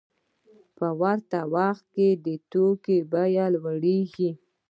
په ورته وخت کې د توکو بیه لوړېږي